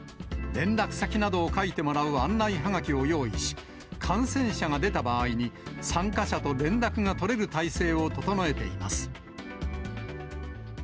連絡先などを書いてもらう案内はがきを用意し、感染者が出た場合に、参加者と連絡が取れる体制を整えています。